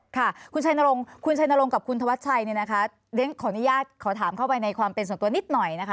สมัยหนึ่งนะคะเรนขออนุญาตขอถามเข้าไปในความเป็นส่วนตัวนิดหน่อยนะคะ